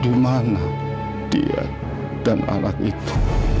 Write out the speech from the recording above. dimana dia dan anak itu